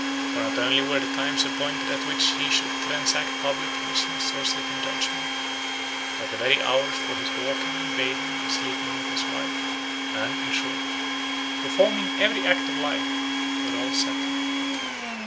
... For not only were the times appointed at which he should transact public business or sit in judgment; but the very hours for his walking and bathing and sleeping with his wife, and, in short, performing every act of life were all settled.